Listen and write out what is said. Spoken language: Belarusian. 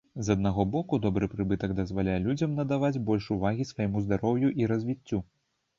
З аднаго боку, добры прыбытак дазваляе людзям надаваць больш увагі свайму здароўю і развіццю.